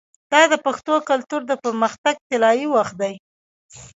دا د پښتو کلتور د پرمختګ طلایی وخت دی.